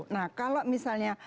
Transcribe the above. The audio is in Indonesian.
nah kalau misalnya